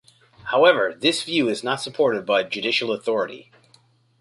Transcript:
However, this view is not yet supported by judicial authority.